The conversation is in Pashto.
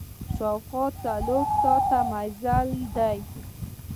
شاوخوا څلور ساعته مزل ده.